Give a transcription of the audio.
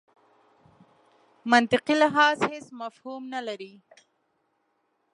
منطقي لحاظ هېڅ مفهوم نه لري.